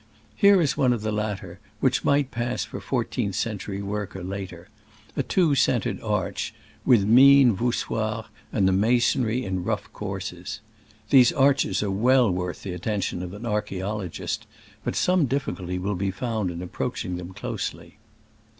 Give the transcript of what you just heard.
Here is one of the latter, which might pass for fourteenth century work or later — ^a two centred arch, with mean voussoirs and the masonry in rough courses. These arches are well worth the attention of an archaeologist, but some difHculty will be found in ap proaching them closely.